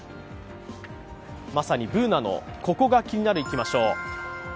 まさにＢｏｏｎａの「ココがキニナル」いきましょう。